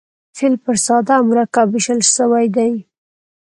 فعل پر ساده او مرکب وېشل سوی دئ.